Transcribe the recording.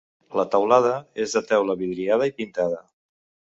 La teulada és de teula vidriada i pintada.